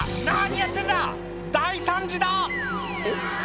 何やってんだ大惨事だ！」